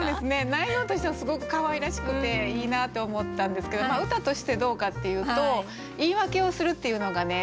内容としてはすごくかわいらしくていいなって思ったんですけど歌としてどうかっていうと「言い訳をする」っていうのがね